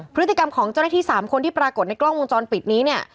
พฤติกรรมของเจ้าหน้าที่๓คนที่ปรากฏในกล้องวงจรปิดนี้เนี่ย